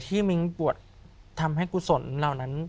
ที่มิงปวดทำให้กุศลเหล่านั้น